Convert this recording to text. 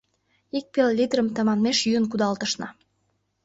Ик пел литрым тыманмеш йӱын кудалтышна.